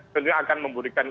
tidak akan memberikan